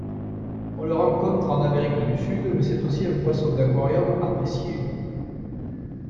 On le rencontre en Amérique du Sud mais c'est aussi un poisson d'aquarium apprécié.